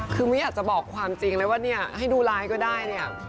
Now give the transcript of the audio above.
คือไม่อยากจะบอกความจริงเลยว่าให้ดูไลน์ก็ได้